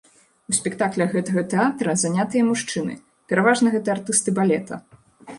У спектаклях гэтага тэатра занятыя мужчыны, пераважна гэта артысты балета.